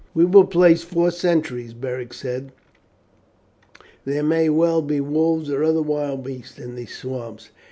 "We will place four sentries," Beric said, "there may well be wolves or other wild beasts in these swamps."